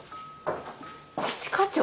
一課長！